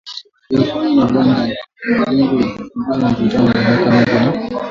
yaliyofanywa na Baghdad yenye lengo la kupunguza mivutano ya miaka mingi na